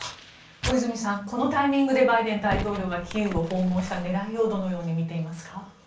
小泉さんこのタイミングでバイデン大統領がキーウを訪問した狙いをどのように見ていますか？